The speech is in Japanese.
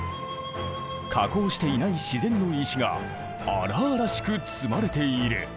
加工していない自然の石が荒々しく積まれている。